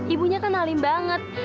ibunya kan alim banget